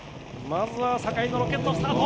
まずは坂井のロケットスタート。